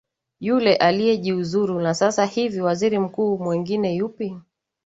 yule aliyejiuzulu na sasa hivi waziri mkuu mwengine yupi